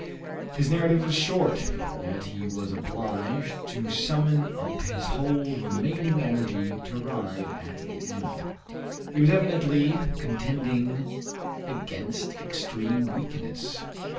His narrative was short, yet he was obliged to summon up his whole remaining energy to arrive at the end. He was evidently contending against extreme weakness.